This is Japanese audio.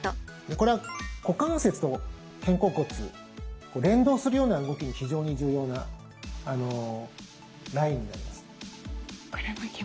これは股関節と肩甲骨連動するような動きに非常に重要なラインになります。